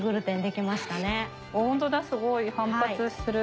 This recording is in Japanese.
ホントだすごい反発する。